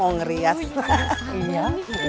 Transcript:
senang enak ya boy seneng